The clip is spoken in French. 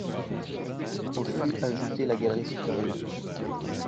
Au fut ajoutée la galerie supérieure.